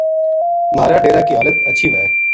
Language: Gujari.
مھارا ڈیرا کی حالت ہچھی وھے